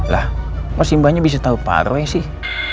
lah kok si mbaknya bisa tahu pak roy sih